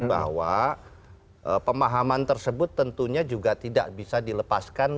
bahwa pemahaman tersebut tentunya juga tidak bisa dilepaskan